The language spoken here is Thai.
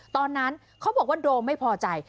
ตอนนั้นเขาบอกว่าโดมไม่พอใจ